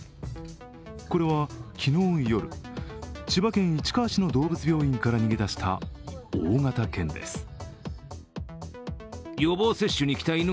これは昨日夜、千葉県市川市の動物病院から逃げ出した大型犬です。